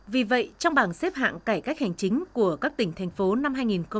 vì vậy trong bảng xếp hạng cải cách hành chính của các tỉnh thành phố năm hai nghìn một mươi chín